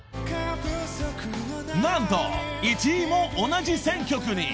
［何と１位も同じ選曲に。